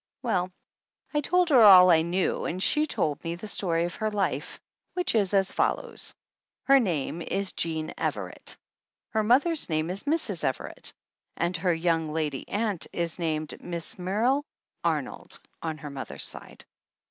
Well, I told her all I knew and she told me the story of her life, which is as follows: Her name is Jean Everett, her mother's name is Mrs. Everett and her young lady aunt is named Miss Merle Arnold on her mother's side.